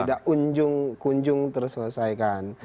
tidak kunjung terselesaikan